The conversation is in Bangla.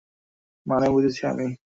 মানে, বুঝেছি আমি।